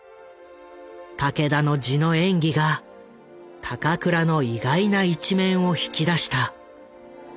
武田の地の演技が高倉の意外な一面を引き出した。